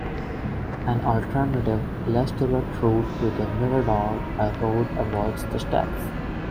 An alternative, less direct route to the "mirador" by road avoids the steps.